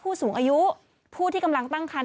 ผู้สูงอายุผู้ที่กำลังตั้งคัน